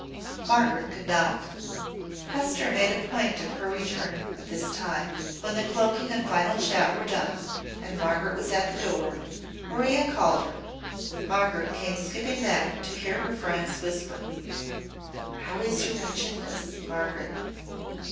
Margaret could not. Hester made a point of her returning at this time. When the cloaking and final chat were done, and Margaret was at the door, Maria called her. Margaret came skipping back to hear her friend's whisper. "How is your wretchedness, Margaret?"